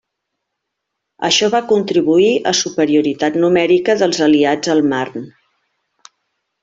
Això va contribuir a superioritat numèrica dels aliats al Marne.